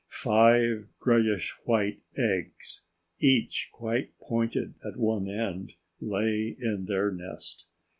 Five grayish white eggs, each quite pointed at one end, lay in their nest.